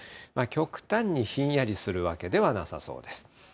極端にひんやりするわけではなさそうです。